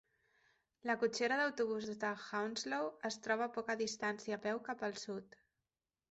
La cotxera d'autobusos de Hounslow es troba a poca distància a peu cap al sud.